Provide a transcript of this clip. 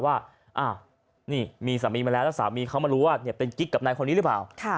ว่าอ้าวนี่มีสามีมาแล้วแล้วสามีเขามารู้ว่าเป็นกิ๊กกับนายคนนี้หรือเปล่า